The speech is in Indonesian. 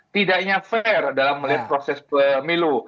tidaknya fair dalam melihat proses pemilu